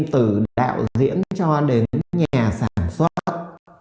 từ đạo diễn cho đến nhà sản xuất